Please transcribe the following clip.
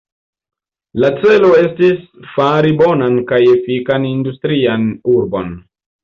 La celo estis fari bonan kaj efikan industrian urbon.